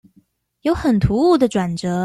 有很突兀的轉折